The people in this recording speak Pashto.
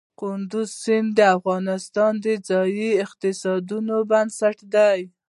کندز سیند د افغانستان د ځایي اقتصادونو بنسټ دی.